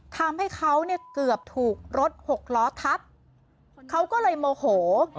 ทำให้เขาเนี่ยเกือบถูกรถหกล้อทับเขาก็เลยโมโห